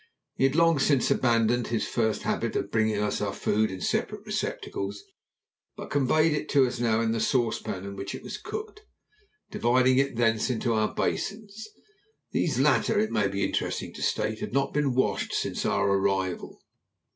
He had long since abandoned his first habit of bringing us our food in separate receptacles, but conveyed it to us now in the saucepan in which it was cooked, dividing it thence into our basins. These latter, it may be interesting to state, had not been washed since our arrival.